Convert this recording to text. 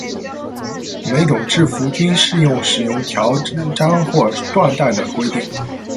每种制服均适用使用奖章或缎带的规定。